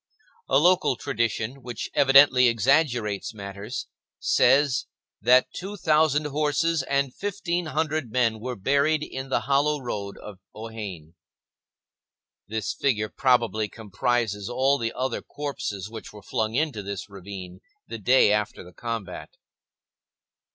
A local tradition, which evidently exaggerates matters, says that two thousand horses and fifteen hundred men were buried in the hollow road of Ohain. This figure probably comprises all the other corpses which were flung into this ravine the day after the combat.